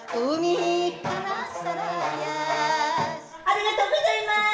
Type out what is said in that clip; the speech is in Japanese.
ありがとうございます！